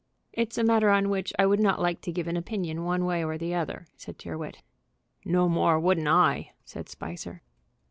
"It's a matter on which I would not like to give an opinion one way or the other," said Tyrrwhit. "No more wouldn't I," said Spicer.